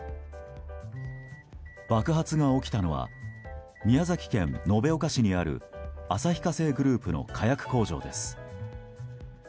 爆発が起きたのは宮崎県延岡市にある旭化成グループの火薬工場です。